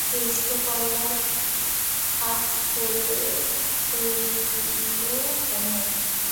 কেষ্ট কল্লাটা কাৎ করে কইল, কমু।